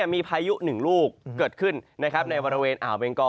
มีพายุหนึ่งลูกเกิดขึ้นในบริเวณอ่าวเบงกอ